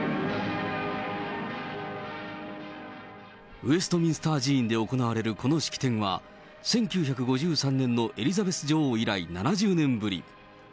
ウェストミンスター寺院で行われるこの式典は、１９５３年のエリザベス女王以来７０年ぶり。